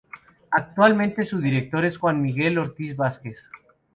Actualmente su director es Juan Miguel Ortiz Vázquez.